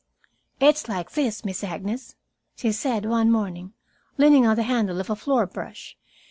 "It's like this, Miss Agnes," she said one morning, leaning on the handle of a floor brush.